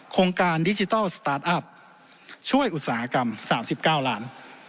โครงการดิจิทัลสตาร์ทอัพช่วยอุตสาหกรรม๓๙ล้าน